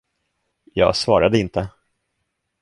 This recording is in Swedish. Jag svarade inte.